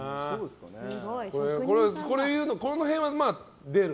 この辺は出る？